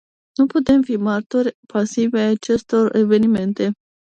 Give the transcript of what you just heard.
Nu putem fi martori pasivi ai acestor evenimente.